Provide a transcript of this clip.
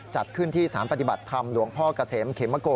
จัดขึ้นที่สารปฏิบัติธรรมหลวงพ่อเกษมเขมโก